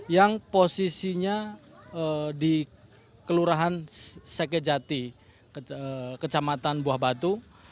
yang posisinya di kelurahan sekejati kecamatan buah batu